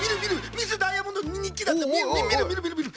ミス・ダイヤモンドのにっきみみみるみるみるみる